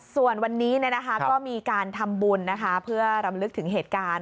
ส่วนวันนี้ก็มีการทำบุญนะคะเพื่อรำลึกถึงเหตุการณ์